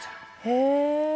へえ。